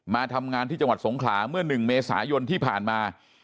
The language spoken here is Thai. มาทำงานที่จังหวัดสงขลาเมื่อ๑เมษายนที่ผ่านมา